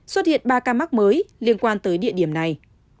xuất hiện ba ca mắc mới liên quan tới địa điểm này